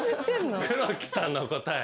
黒木さんの答え